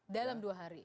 dalam dua hari